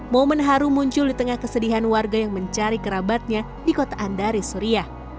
momen haru muncul di tengah kesedihan warga yang mencari kerabatnya di kota andaris suriah